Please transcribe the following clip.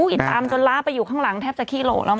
ติดตามจนล้าไปอยู่ข้างหลังแทบจะขี้โหลแล้วม